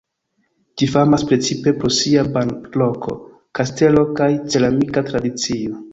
Ĝi famas precipe pro sia banloko, kastelo kaj ceramika tradicio.